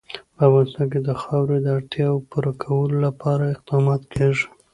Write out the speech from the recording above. په افغانستان کې د خاوره د اړتیاوو پوره کولو لپاره اقدامات کېږي.